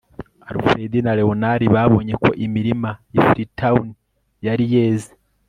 Alfred na Leonard babonye ko imirima y i Freetown yari yeze